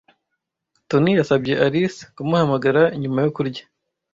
Toni yasabye Alice kumuhamagara nyuma yo kurya.